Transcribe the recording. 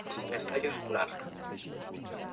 It continues near Harvard Square.